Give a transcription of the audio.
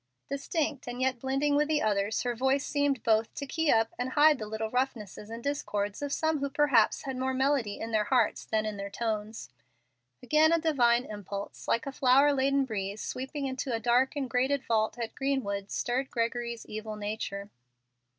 Distinct, and yet blending with the others, her voice seemed both to key up and hide the little roughnesses and discords of some who perhaps had more melody in their hearts than in their tones. Again a divine impulse, like a flower laden breeze sweeping into a dark and grated vault at Greenwood, stirred Gregory's evil nature.